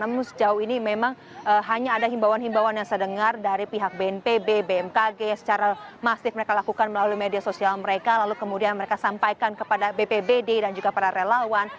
namun sejauh ini memang hanya ada himbauan himbauan yang saya dengar dari pihak bnpb bmkg secara masif mereka lakukan melalui media sosial mereka lalu kemudian mereka sampaikan kepada bpbd dan juga para relawan